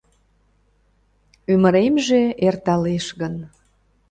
Ӱмыремже эрталеш гын